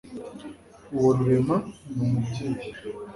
uwo rurema, ni umubyeyi